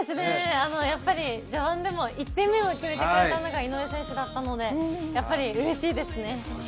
やっぱり自分でも１点目を決めてくれたのが井上選手だったので、やっぱりうれしいですね。